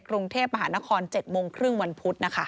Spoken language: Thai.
กรุงเทพมหานคร๗โมงครึ่งวันพุธนะคะ